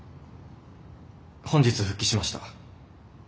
本日復帰しました。